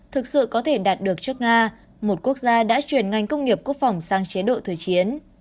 thực sự có thể đạt được trước nga một quốc gia đã chuyển ngành công nghiệp quốc phòng sang chế độ thời chiến